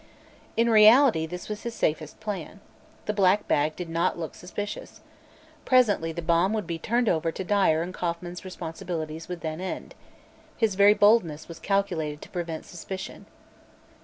In reality, this was his safest plan. The black bag did not look suspicious. Presently the bomb would be turned over to Dyer and Kauffman's responsibility would then end. His very boldness was calculated to prevent suspicion.